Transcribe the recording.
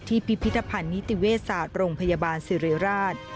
พิพิธภัณฑ์นิติเวชศาสตร์โรงพยาบาลสิริราช